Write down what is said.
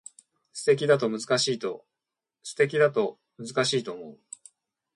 素敵だけど難しいと思う